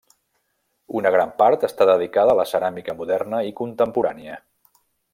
Una gran part està dedicada a la ceràmica moderna i contemporània.